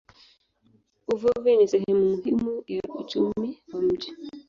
Uvuvi ni sehemu muhimu ya uchumi wa mji.